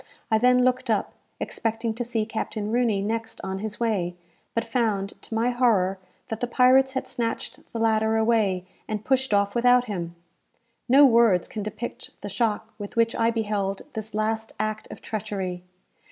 I then looked up, expecting to see Captain Rooney next on his way; but found, to my horror, that the pirates had snatched the ladder away, and pushed off without him! No words can depict the shock with which I beheld this last act of treachery.